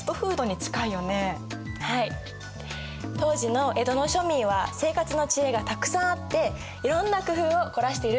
当時の江戸の庶民は生活の知恵がたくさんあっていろんな工夫を凝らしているってことが分かったね。